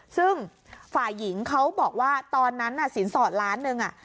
ซึ่งฝ่ายหญิงเขาบอกว่าตอนนั้นน่ะสินสอดล้านหนึ่ง